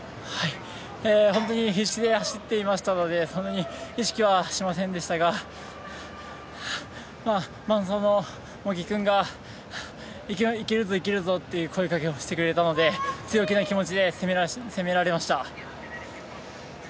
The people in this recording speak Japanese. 本当に必死で走っていましたのでそんなに意識はしませんでしたが茂木君がいけるぞ、いけるぞと声かけしてくれたので強気な気持ちで攻められました。